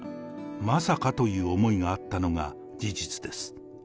まさかという思いがあったのが事実です。